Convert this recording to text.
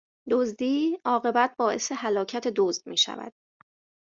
دزدی، عاقبت باعث هلاکت دزد میشود